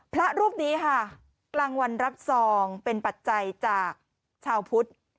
พระรูปนี้ค่ะกลางวันรับซองเป็นปัจจัยจากชาวพุทธ